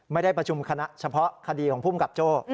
ไม่ได้ประชุมคณะเฉพาะคดีของภูมิกับโจ้